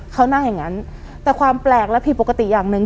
เขานั่งอย่างนั้นแต่ความแปลกและผิดปกติอย่างหนึ่ง